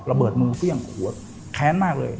ระเบิดมงก็ยังหัวแค้นมากเลย